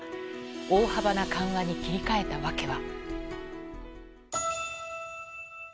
大幅な緩和に切り替えた訳は。